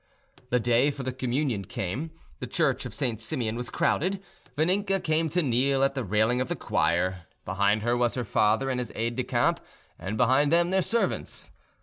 The day for the Communion came; the church of St. Simeon was crowded. Vaninka came to kneel at the railing of the choir. Behind her was her father and his aides de camp, and behind them their servants.